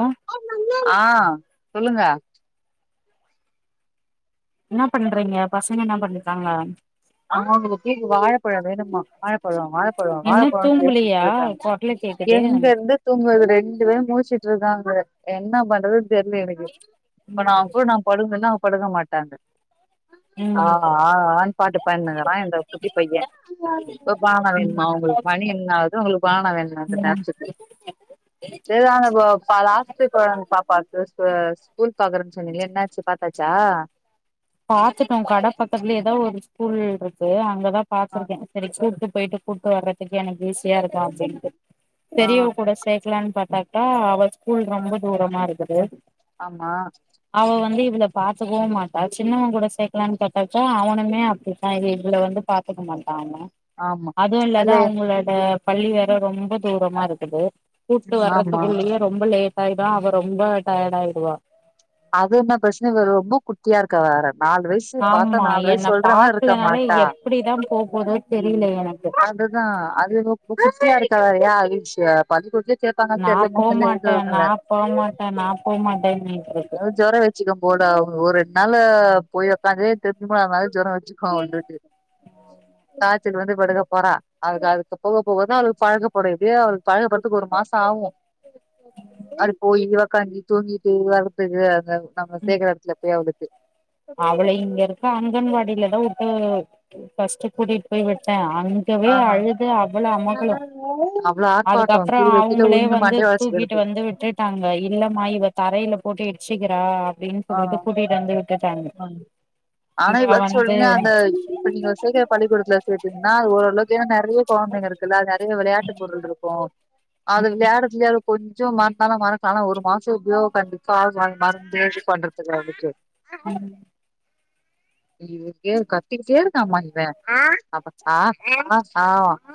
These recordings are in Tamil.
ஆ ஆ சொல்லுங்க என்ன பண்றீங்க பசங்க என்ன பண்ணுதாங்க அவ [unintelligible] வாழ பழோ வேணும்மா வாழப்பழோ வாழப்பழோ இன்னு வாழப்பழோன் தூங்கலியா பேசிட்ருக்காங் கொரலு கேக்குது எங்க இருந்து தூங்க வெக் ரெ ண்டு பேரு மூச்சுட்ருக்காங்க என்ன பண்றது தெர்ல எனக்கு இப்ப நா ம் அவுங் கூட நா படு [unintelligible] படுக்க மாட்டாங்க ஆ ம் ம் ஆ ஆன் பாட்டு பண்ணுகுறா இந்த குட்டி பைய ப பனானா ம் வேணுமா உங்குளுக் மணி என்னா ஆவுது உங்குளுக் பனானா வேணுமா இந்தநேரத்துக்கு [unintelligible] லாஸ்ட் இப்பங் பாப்பாக்கு ஸ்கு ஸ்கூல் க பாக்றன் சொன்னிங்ளே என்னாச்சு பாத்தாச்சா பாத்துட்டோ கட பக்கத்லியேதா ஒரு ஸ் புல்ருக்கு அங்கதா ஆ பாத்துருக்கே செரி கூட்டு போயிட்டு கூப்ட்டு வர்றதுக்கு எனக்கு ஈஸியா இருக்கு அப்டின்ட்டு ஆ பெரியவ கூட சேக்லான் பாத்தாக்கா அவ ஸ்கூல் ஆ, ரொம்ப தூரமா இருக்குது ஆமா அவ வந்து இவள பாத்துக்கவு மாட்டா சின்னவ கூட சேக்கலானு பாத்தாக்கா அவனுமே அப்டித்தா இதுல இவள வந்து பாத்துக்க மாட் டாங்க ஆமா அதுவு இல்லாத அதுல அவுங்களோட பள்ளி வேற ரொம்ப தூரமா இருக்குது கூப்ட்டு ஆமா வர்ரதுக்குள்ளயே ரொம்ப லேட் டாயிடு அவ ரொம்ப டயர்டாயிடுவா அது என்ன பிரச்சன இவ ரொம்ப குட்டியா இருக்க வேற நாலு வயசு பாத்தா ஆமா நாலு என்ன வயசு சொல்ற மார்ருக்க பாக்கலனாலே மாட்டா எப்டிதா போ போதோ தெரியல எனக்கு அது தா அது இவ [inaudible] குட்டியா இருக்கா வேறயா [unintelligible] பள்ளிக்கூடத்லே நா போ மாட்டே நா போ மாட்டே நா போ மாட்டே இனி அ ஜொரோ வெச்சுக்க போடா அவங்க ஊரு னால போய் ஒக்காந்து [inaudible] போன மாரி ஜொரோ வச்சுக்கு வந்துட்டு காச்சல் வந்து படுக்கப் போறா அதுக் அதுக்கு போக போக தா அவளுக் பழக்கப்படு எப்டியு அவளுக் பழகப்படுத்துக்கு ஒரு மாசோ ஆவு அது போயி ஒக்காந்து தூங்கிட்டு வர துக்கு [unintelligible] ஆவு நம்ம சேக்கற எடத்துல போய் அவளுக்கு அவள இங்க இருக்க அங்கன்வாடில தா உட்டு ஃபஸ்ட்டு கூட்டிட் போய்விட்டே அங்கவே ஆ அழுது அவ்வளோ அமக்களோ அவ்ளோ ஆர்ப்பாட்டோ அதுக்கப்றோ கீழ கீழ அவங்களே உழுந்து வந்து மண்டைய தூக்கிட்டு ஒடச்சுக்கிடுது வந்து விட்டுட்டாங்க இல்லமா இவ தரைல போட்டு இடிச்சிக்கறா அப்டினு சொல்லிட்டு கூட்டிட் வந்து விட்டுட்டாங்க ம் ஆனா இவ [unintelligible] வந்து சொன்னாங்க இப்ப நீங்க சேக்கற பள்ளிக்கூடத்ல கேட்டீங்ன்னா ஓரளவுக் ங்க நெறைய கொழந்தைங்க இருக்குல்ல அது நெறைய விளயாட்டு பொருள்ருக்கு அது விளாயாட்றதுலே அவளுக் கொஞ்சோ மறந்தாலு மறக்கலா ஆனா ஒரு மாசோ எப்டியோ கண்டிப்பா [unintelligible] மறந்து [inaudible] பண்றதுக்கு வந்துட்டு அலோ இவ இப்டே கத்திகிட்டே இருக்காம்மா இவ அப்பா ஆ அ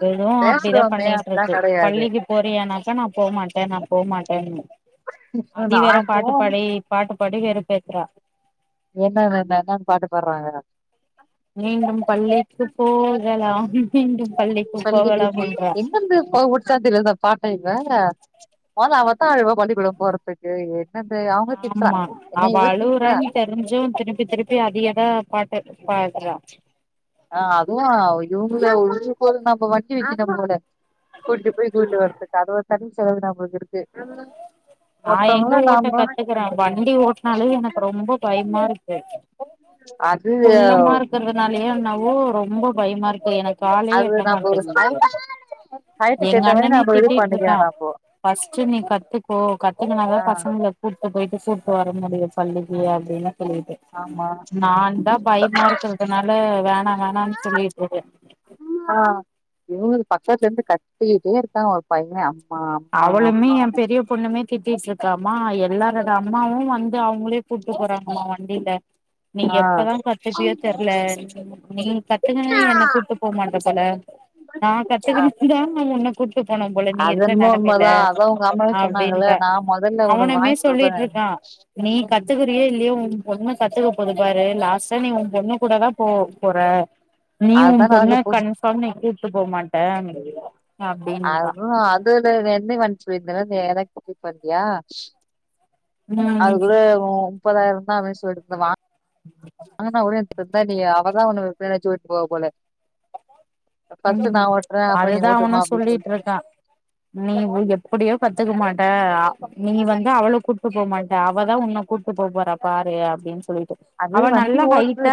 அதுவு அப்டி தா பண்ணிட்ருக்கு கெடையாது பள்ளிக்கு போறியானாக்கா நா போ மாட்டே நா போ மாட்டேன்னு அதி நா வேற பாட்டு போம் பாடி பாட் படிகறத் பேஸ்றா என்னென்ன என்னென்னன் பாட்டு பாட்றாங்கற மீண்டும் பள்ளிக்கு போகலாம் மீண்டும் பள்ளிக்கு போகலாம் போய் என்றா எங்கர்ந்து ப புட்ச்சா தெரியாது இந்த பாட்ட இவ ஆமா அவ ப அழுவா பள்ளிக்கூடோ போறதுக்கு ஏ ஆமா அவ திட்றா அழுவுறான்னு தெரிஞ்சும் திருப்பி திருப்பி அதையேதா பாட்டு பாட்றா அ அதுவு இவங்க ஒன்னுனா நம்ம மட் வெச்சிட்டா போல கூட்டிட்டு போய் கூட்டிட்டு வர்றதுக்காக கட்ட சொல்லறா போல இருக்கு நா எங்கே ஒருத்தவங்கள ஓட்ட நாம கத்துக்கறே வண்டி ஓட்டனாலே எனக்கு ரொம்ப பயமா இருக்கு அது குள்ளமா இருக்கிறதுனாலயோ என்னவோ ரொம்ப பயமா இருக்கு எனக் காலே அது எட்ட நம்ம ஒரு மாட்டேங்க ஹைட் ஹைட்டுக்கு எங்க ஏத்த மாரி அண்ணனே நம்ம இது திட்டிட்டு பண்ணிக்கிறோ இருக்கா நம்போ ஃப்ஸ்ட்டு நீ கத்துக்கோ கத்துக்கினாதா ஆ பசங்கள்ளா கூட்னு போயிட் கூட்டு வர முடியு பள்ளிக்கு அப்பிடின்னு சொல்லிட்டு ஆமா நா தா பயமா இருக்கறிதுனால வேணா வேணான்னு சொல்லிட்டு இருக்க ஆ இவங்களுக்கு பக்கத்துல இருந்து கத்திக்கிட்டே இருக்கா ஒரு பைய அப் அவளுமே ஏ பெரிய பொண்ணுமே திட்டிட்டு இருக்கா மா எல்லாரோட அம்மாவு வந்து அவங்களே கூட்னு போறாங்கம்மா வண்டில நீ ஆ எப்பதா கத்துப்பியோ தெர்ல நீ கத்துக்கினு என்ன கூட்டு போ மாட்ட போல நா கத்துக்குனு தாம்மா உன்ன கூட்டு போனும் போல நீ இருக் உண்ம உண்மதா அதா உங்க அம்மாவே சொன்னாங்களே நா மொதல்ல உனக்கு அவனுமே வாங்கிக் குடுக்குற ஏ உம் பொண்ணு கத்துக்க போது பாரு லாஸ்ட்டா நீ உம் பொண்ணு கூட தா போ போற நீ அதுதா உம் பொண்ண நடக்க போது கன்ஃபார்ம நீ கூட்டு போமாட்ட அதுவ் அதுல [unintelligible] ம் அது கூட முப்பதாயிரம் தா அவனே செல்லிட்டிருக்குறா வா வாங்குனா அழகா உன்ன உக்கார வெச்சு போவ போல ஃபர்ஸ்ட் ம் நா ஓட்டுறே அப்றோ நீ அதுதா அவனு ஓட்டுமா அப்டின்னு சொல்லிட்டு இருக்கா நீ வு எப்பிடியோ கத் த்துக்க மாட்ட அ நீ வந்து அவள கூப்ட்டு போமாட்ட அவதா உன்ன கூட்டுபோ போறா பாரு அப்பிடின்னு சொல்லிட் அது வண்டி ஓட்டற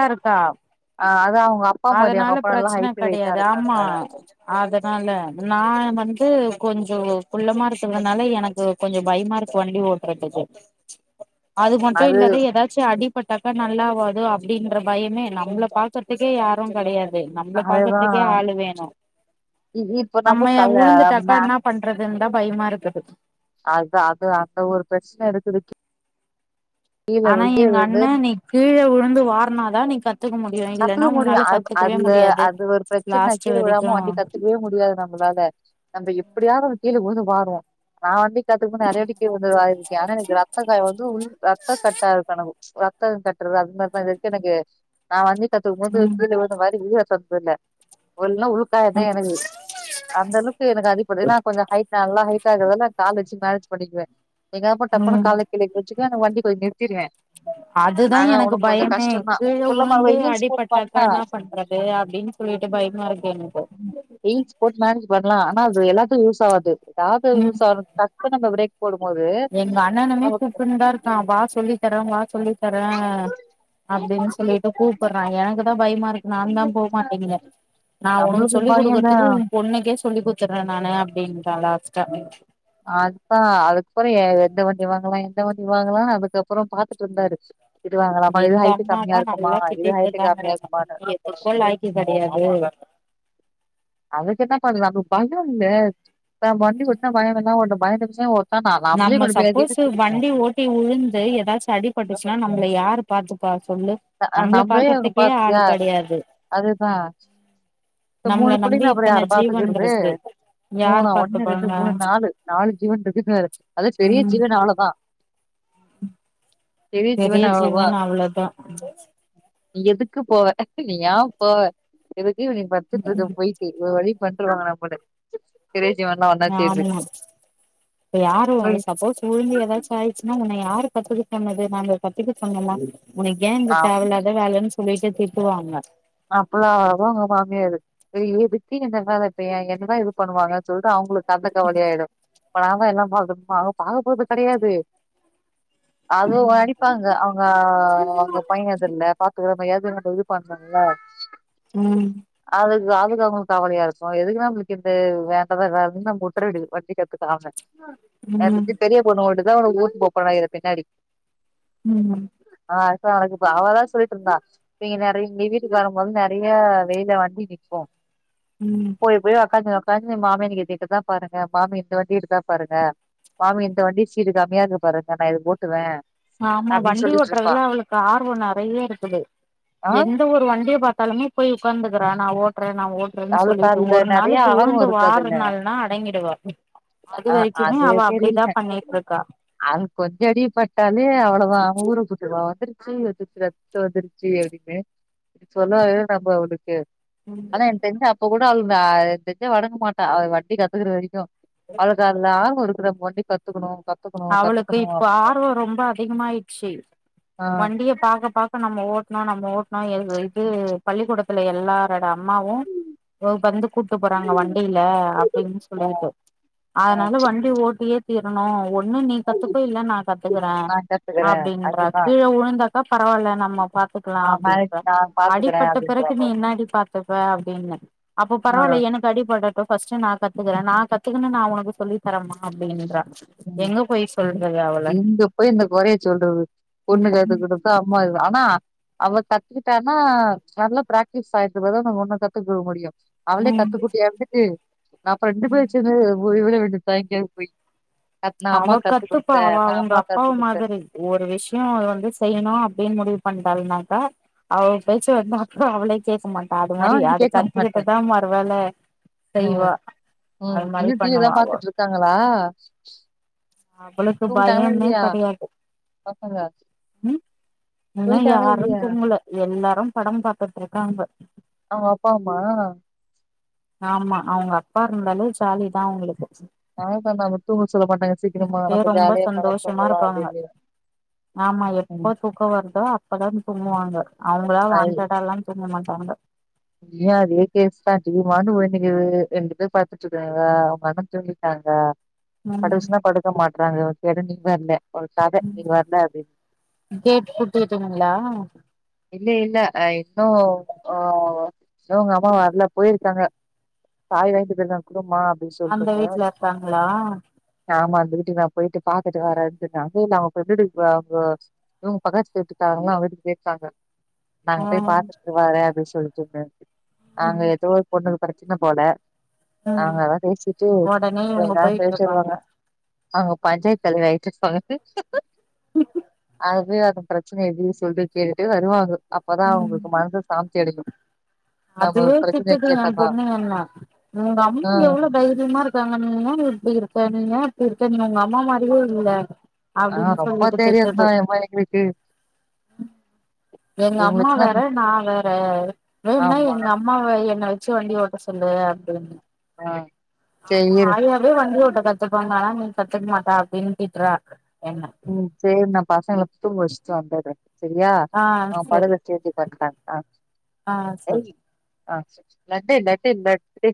அ அது அவங்க அப்பா மாதிரி அதனால அவங்க அப்பா நல்லா பிரச்சன ஹைட்டு கெடையாது வெயிட்டாரு ஆமா அதனால நா நான் வந்து கொஞ்சம் குள்ளமா இருக்கறதுனால எனக்கு கொஞ்சம் பயமாருக்கு வண்டி ஓட்டுறதுக்கு அது மட்டும் இல்லாத ஏதாச்சும் அடி அடி பட்டாக்கா நல்லாவாது அப்பிடின்ற பயமே இல்ல அவுங்கள பாக்கறதுக்கே யாரும் கடையாது ஏ நம்மளப் பாக்குறது ஆ இ இ இப்ப நம்ம கல் அ உழுந்துட்டாக்கா நா என்ன பண்றதுன்னு தா பயமா இருக்குது அதா அந்த ஒரு பிரச்சனை இருக்குது கீழ ஆனா எங்க விழுந்து அண்ணன் நீ கீழே விழுந்து வாருனாதான் நீ கத் கத்துக்க முடியும் அ அதுல முடியாது அது ஒரு பிரச்சனை லாஸ்ட் கீழ வரைக்கு விழாம வண்டி கத்துக்கவே முடியாது நம்பளால நம்ப எப் எப்பிடியாவது கீழே உழுந்து வாருவோ நா வண்டி கத்துக்கபோது நறைய வாட்டி கீழே உழுந்து வாரிருக்கே ஆனா எனக் ரத்தக்காய வந்து உழ் ரத்த கட்டாயிடு ரத்த கட்டறது அது மாரிதா ரிஸ்க்கெனக்கு நா வந்து கத்துக்கும் போது ம் கீழே உழுந்து வாரி [unintelligible] சத்துன்ன உல் எல்லா உருத்தயா இருந்தது அந்த அளவுக்கு எனக்கு அடிப்படும் ஏன்னா கொஞ்சோ ஹைட்டா நல்லா ஹைட்டாருக்கறதலா காலச்சிபே பண்ணிடுவே எங்காப்ப டப்புனு ம் கால கீழேக்கு வச்சுக்க என வண்டி கொஞ் நிறுத்திறுவே அதுதா ஆனா எனக்கு உனுக்கு கொஞ்சோ பயமே கஷ்டதா கீழ குல்லமாவா உழுந்து ஹீல்ஸ் போட்டு அடிபட்டாக்கா வந்தா என்ன பண்றது அப்டின்னு சொல்லிட்டு பயமா இருக்கு எனக்கு ஹீல்ஸ் போட்டுனு வரலா ஆனா அது எல்லாதுக்கும் யூஸ் ஆகாது டாக்டர்கள் யூஸ்ஸவுர டக்குனு போடும்போது எங்கண்ணனுமே நமக்கு கூப்டுனுதான் இருக்கா வா சொல்லித்தரேன் வா சொல்லித்தரேன் அப்பிடினு சொல்லிட்டு கூப்புர்றாங்க எனக்குதா பயமாயிருக்கு நான் தா போ மாட்டேங்கிறே நா உனுக்கு நம்மளுக்கு சொல்லிக் பயந்தா குடுக்கறதுக்கு உன் பொண்ணுக்கே சொ சொல்லி குத்துர்றே நானே அப்பிடீனுத்தாங்க லாஸ்டா அதுப்பா அதுக் கொரியர் எந்த வண்டி வாங்குவே எந்த வண்டி வாங்கலா அதுக்கப்பறோ பாத்துட்டு வந்தாரு இது எங்க அம்மாதா நல்லா இது திட்டிட்டு ஹைட்டு இருக்காங்க கம்மியா இருக்குமானு என்ன [unintelligible] அதுக்கென்ன பண்ண பண்ணுவாங்க இப்ப நா வண்டி ஓட்னா பயங்கரமா ஓட்டனோ பயந்துத்தை ஓட்டனோ நம்ம சப்போஸ் வண்டி ஓட்டி உழுந்து ஏதாச்சு அடி பட்டுச்சுனா நம்பள யாரு பாத்து பாத் நம்பளே அத பாத்தியா கெடையாது அதுதா இப்போ நம்மள மூணு நம்பி புள்ளைங்கல அப்பற இத்தன யாரு ஜீவன் பாத்துகிறது இருக்கு யார் மூணூ ஒண்ணு ரெண்டு பாத்துப்பாங்க மூணு நாலு நாலு ஜீவன்கள் [unintelligible] அது பெரிய ம் ஜீவன் அவ்ளோதா பெரிய ஜீவன் அவ்ளோதா நீ எதுக்குப் போவ நீயா போவ எதுக் ஈவ்னிங் படத்துக்கு போயிட்டு ஒரு வழி பன்ருவாங்களா போலெ ஆமா இப்ப [unintelligible] யாரு ம். சப்போஸ் உழுந்து ஏதாச்சு ஆயிருச்சுனா உன்ன யா யாரு கத்துக்க சொன்னது நாங்க கத்துக்க சொன்னம்மா உனக் ஏ இந்த ஆ தேவ இல்லாத வேலன்னு குளிக்க திட்டுவாங்க அப்பளா அவங்க மாமியாரு ஐய்யோ [unintelligible] இப்ப ஏ எ என்னதா எது பண்ணுவாங்க சொல்ட்டு அவுங்களுக் அந்த கவலையாய்டு அப்ப நாங்க என்னம்மா [unintelligible] பாக போறது கெடயாது அதுவு வடிப்பாங்க அவுங்க அவுங்க பையன் அது இல்ல பாத்துக்குற பையே [unintelligible] இல்ல ம் இது அவுங்க அவுங்களுக்கு கவலையா இருக்கு எதுக்கு நம்மளுக்கு இந்த வேண்டாத வேலேனு நம்ப உட்டர்றது பட்னி கெடக்க [unintelligible] ம் நேத்துக்கு பெரிய பொண்ணு ஓடு [unintelligible] பின்னாடி ம் கனகுப்ப அவளா சொல்லிட்டு இருந்தா நீங்க நெறை இங்க வீட்டுக்கு வரம்போது நெறைய வெயில வண்டி நிக்கு ம் போய்யி போய்யி உக்காந்து உக்காந்து மாமே நீங்க கேட்டுத்தா பாருங்க மாமி இந்த வண்டி எடுத்தா பாருங்க மாமி இந்த வண்டி சீடு கம்மியா இருக்கு பாருங்க நா இது ஓட்டுவே ஆமா அப்டின்னு வண்டி சொல்லிட்டு இருப்பா ஓட்டுறதுல அவளுக்கு ஆர்வோ நெறைய இருக்குது ஆ என் ந்த ஒரு வண்டிய பாத்தாலுமே போய் உக்காந்துகுறா நா ஓட் றே நா ஓடுறேன்னு அவளுக்கு சொல்லிட்டு அதுல ஒரு நெறைய நாளைக்கு ஆர்வோ உளுந்து இருக்கு அதுல வாருநாள்னா அடங்கிடுவா அது ஆ வரைக்குமே அது அவ அப்டிதா தெரில பண்ணிட்டிருக்கா கே அவளதா ஊர கூட்டுவா அவ வந்துட்டு [unintelligible] இப்டி சொல்லாத நம்ம அவளுக்கு ம் இப்ப கூட அழுதா [unintelligible] எனக் தெரிஞ்சு அவ அடங்க மாட்டா அவ வட்டி கத்துக்கற வரைக்கு அவளுக் அந்த ஆர்வொ இருக் கு நம்ம வண்டி கத்துக்கணு க அவளுக்கு இப்போ ஆர்வோ ரொம்ப அதிகமாய்ச்சு ஆ வண்டிய பாக்க பாக்க நம்ம ஓட்னு நம்ம ஓட் நா எதுக்கு வெய்டு பள்ளிக்கூடத்துல எல்லார ஏ அம்மாவு ஓ வந்து கூட்டு போறாங்க வண்டில அப்டின் சொல்லிகிட்டு ஆ அதுனால வண்டி ஓட்டியே ஓட்டீரனு ஓட் ஒன்னு நீ கத்துக்கோ இல்ல நா கத்துக்குறே நா கத்துக்குறே அப்டின்றா அதுதா கீழ உழுந்தாக்க பரவால்ல நம்ம பாத்துக்கலா ஆ மேரேஜ் அப்டின்ற நா பாத்துக்குறே அடிபட்ட அப்டின்றா பிறகு நீ போல என்னாடி பாத்துப்ப அப்டின்ன அப்ப ஆ பரவால்ல எனக்கு அடிபட ப்ப ஃபஸ்டு நா கத்துக்கற நா கத்துகுனு நா உனக்கு சொல்லி தரமா அப்டின்றா ம் எங்க போய் சொல்றது அவள எங்க போயி இந்த கொறைய சொல்றது பொண்ணு ம் கத்து ம் குடுத்து அம்மா இது ஆனா அவ கத்துகிட்டானா நல்லா பிராக்டிஸ் ஆய்ட்ட பிறகு ஒண்ண கத்துக்க முடியு அவளே ம் கத்து குட்டியாருந்துட்டு நா அப்ப ரெண்டு பேரு சேந்து போய் இவளே விட்டுட்டா எங்கியாது போய் நா அவ அம்மாக்கு கத்து கத்துப்பா குடுத்தே அவ நா அம்மாக்கு அவுங்கப்பாவ் கத்து குடுத்தே மாதிரி ஒரு விஷய வந்து செய்யணு அப்டினு முடிவு பண்டாலுனாக்கா அவ பேச்ச வந்து அப்புற அவளே கேக்க மாட்டா அது நா மாரி அத கேக்க மாட்டே கத்துகிட்டுதா மறு வேல ம் செய்வா ம் அது மாரி இன்னு டி வி தா பண்ணுவா அவொ பாத்துட்டு இருக்காங்களா அவளுக்கு தூங்கிட்டாங்களா பயமே இல்லையா கெடையாது பசங்க ம் இன்ன தூங்கிட்டாங்களா யாரு இல்லையா தூங்கல எல்லா ரு படம் பாத்துட்ருக்காங்க அவுங்கப்பாவுமா ஆமா அவங்க அப்பா இருந்தாலே ஜாலி தா அவுங்களுக்கு பகல்ல நாம தூங் ரொம்ப சந்தோஷமா தூங்கலா இருப்பாங்க அப்டின்னு ஆமா எப்ப தூக்க வருதோ அப்பதா தூங்குவாங்க அவங்களா வாண்டாடா எல்லா தூங்கமாட் அவங்க ங்கயு அதே கேஸ் தா டி வி பாட்க்கு ஓடிட்ருக்கிது ரெண்டு பேர் பாத்துட்ருக்காங்க உங்கண்ண தூங்கிட்டாங்க ம் படுக்சொன்னா படுக்க மாட்றானுகொ எதோ நீங்க வர்ல கேட்டுகுட்டே தூங்குங்லா இல்ல இல்ல இன்னு அ இன்னு உங்கம்மா வர்ல போயிருக்காங்க சாவி வாங்கிட் போயிருக்காங்க குடும்மா அந்த வீட்ல இருக்காங்களா ஆமா அந்த வீட்டுக்கு நா போயிட்டு பாத்துட்டு வரேன்துங்க டேய் உங்க வீட்டு ப ப உங்க பக்கத்து வீட்டுக்காரங்ளா வந்துட்டு கேட்டாங்க நாங்க போய் ம் பாத்துட்டு வரே அப்டின் சொ போயிட்ருக்க அங்க ஏதோ ஒரு பொண்ணு ப்ரச்சன போல ம் அவங்கா அதா பேசிட்டு ஒடனே கொஞ்ச இவங்க நேர போயிட்டு கழிச்சி இருப்பாங்க வருவாங்க அவங்க பஞ்சாயத்து தலைவி ஆயிட்ருப்பாங்க [unintelligible] பிரச்சன எது சொல்லிருக்கே ட்டு வருவாங்க அப்பதா ம் அவங்களுக்கு மனச சாந்த செடுக்கும் அதுவே திட்டுது எ பொண்ணு என்ன உங்க அம்மா ஆ எவ்வளவு தைரியமா இருக்காங்க நி என்னா நீ இப்படி இரு ப நீனா இப்படி இருக்க உங்க அம்மா மாரியே இல்ல ஆ அப்படின்னு ரொம்ப சொல்லிட்டு திட்டுது தைரியம்தான் ஏம்மா எங்களுக்கு எங்க அம்மா இவங்களுச்சுன்னா வேற நா வேற வேன்ன ஆமா எங்க அம்மாவ என்ன வச்சு வண்டி ஓட்ட சொல்லு அப்டின்னு ஆ சரி ஆமா இரு ஆயாவே வண்டி ஓட்ட கத்துப்பாங்கனா நீ கத்துக் மாட்டா அப்டின்னு திட்றா என்ன ம் சேரி நா பசங்ல தூங்கவெச்சிட்டு வந்தற சரியா ஆ அவ சரி படத சேத்தி பண்டாங் அ ஆ செரி ஆ செ செ லட்டு லட்டு லட்டு